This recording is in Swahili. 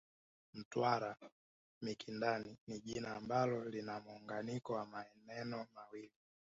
Mtwara Mikindani ni jina ambalo lina muunganiko wa maneno mawili